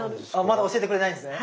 まだ教えてくれないんですね？